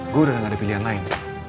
gue udah gak ada pilihan lain